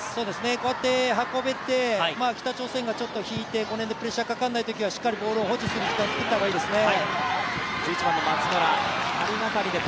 こうやって運べて北朝鮮がちょっと引いて、この辺でプレッシャーがかからないところはしっかりボールを保持する時間つくった方がいいですね。